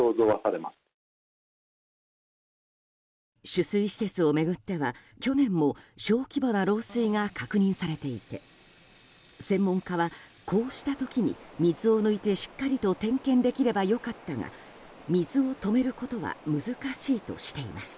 取水施設を巡っては去年も、小規模な漏水が確認されていて専門家はこうした時に水を抜いて、しっかりと点検できれば良かったが水を止めることは難しいとしています。